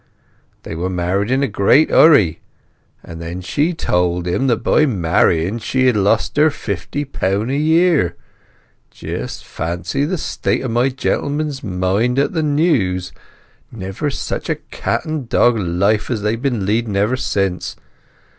They were married in a great hurry; and then she told him that by marrying she had lost her fifty poun' a year. Just fancy the state o' my gentleman's mind at that news! Never such a cat and dog life as they've been leading ever since!